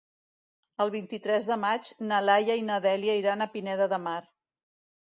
El vint-i-tres de maig na Laia i na Dèlia iran a Pineda de Mar.